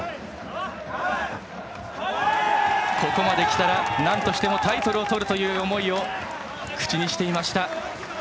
ここまで来たらなんとしてもタイトルをとるという思いを口にしていました。